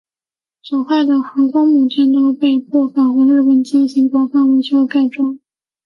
损坏的航空母舰都被迫返回日本进行广泛维修和改装。